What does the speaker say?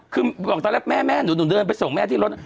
ขึ้นพร้อมตั้งแล้วแม่หนูเดินไปส่งแม่ในรถ